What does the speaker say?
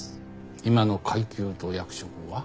今の階級と役職は？